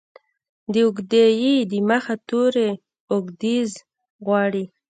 د اوږدې ې د مخه توری اوږدزير غواړي.